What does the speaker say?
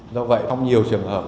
do vậy trong nhiều trường hợp